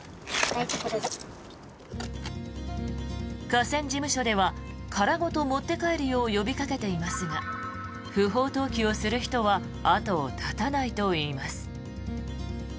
河川事務所では殻ごと持って帰るよう呼びかけていますが不法投棄をする人は後を絶たないといいます。